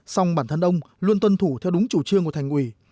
xong bản thân ông luôn tuân thủ theo đúng chủ trương của thành ủy